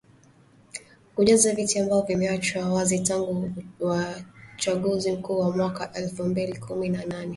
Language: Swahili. Kujaza viti ambavyo vimeachwa wazi tangu uachaguzi mkuu wa mwaka elfu mbili kumi na nane